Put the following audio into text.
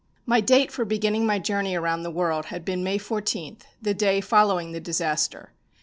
My date for beginning my journey around the world had been May 14, the day following the disaster.